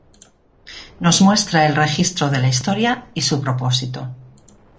Nos muestra el registro de la historia y su propósito.